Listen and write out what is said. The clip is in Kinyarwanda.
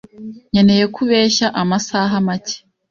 nkeneye ko ubeshya amasaha make.